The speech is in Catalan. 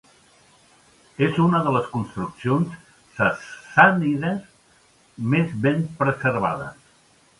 És una de les construccions sassànides més ben preservades.